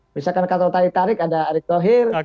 misalkan kata kata yang tarik ada arik tohir